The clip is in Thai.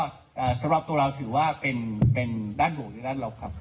สำหรับตัวเราถือว่าเป็นด้านบวกหรือด้านหลบครับ